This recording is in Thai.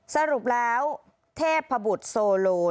สรุปแล้วเทพบุตรโซโล